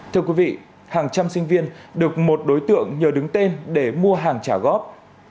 thưa quý vị hàng trăm sinh viên được một đối tượng nhờ đứng tên để mua hàng trả góp